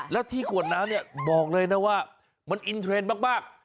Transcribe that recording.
แล้วที่ขวดน้ำเนี่ยบอกเลยนะว่ามันอินเทรนด์มาก